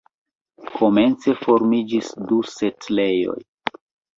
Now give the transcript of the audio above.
Komence formiĝis du setlejoj.